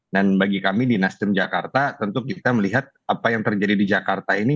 dan bagi kami di nasdim jakarta tentu kita melihat apa yang terjadi di jakarta ini